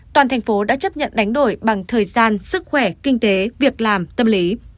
toàn thành phố đã chấp nhận đánh đổi bằng thời gian sức khỏe kinh tế việc làm tâm lý